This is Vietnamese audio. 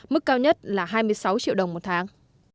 mức cao nhất là hai mươi sáu triệu đồng một tháng